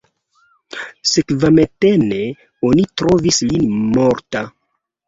Sekvamatene oni trovis lin morta.